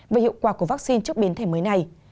về hiệu quả của vắc xin trước biến thể mới này